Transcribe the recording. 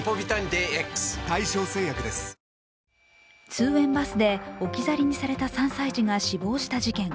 通園バスで置き去りにされた３歳児が死亡した事件。